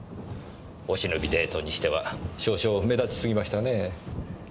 お忍びデートにしては少々目立ちすぎましたねぇ。